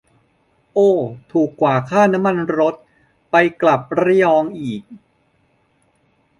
โอ้ ถูกกว่าค่าน้ำมันรถ ไปกลับระยองอีก